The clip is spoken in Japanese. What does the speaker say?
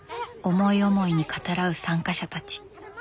思い思いに語らう参加者たち。